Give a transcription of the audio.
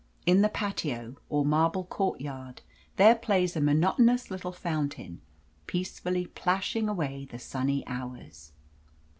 In the patio, or marble courtyard, there plays a monotonous little fountain, peacefully plashing away the sunny hours.